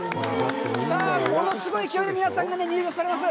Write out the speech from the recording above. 物すごい勢いで皆さんが入場されます。